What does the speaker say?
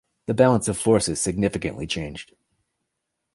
The balance of forces significantly changed.